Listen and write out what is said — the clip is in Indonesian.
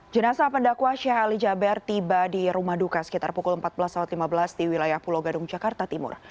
jenasa pendakwa sheikh ali jaber tiba di rumah duka sekitar pukul empat belas lima belas di wilayah pulau gadung jakarta timur